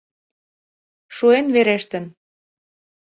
Шуэн верештын.